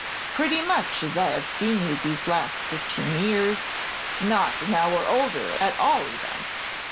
"Pretty much as I have seen you these last fifteen years, not an hour older, at all events.